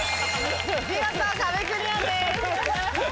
見事壁クリアです。